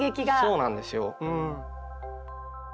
そうなんですようん。